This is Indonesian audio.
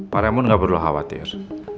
pak raymond gak perlu khawatir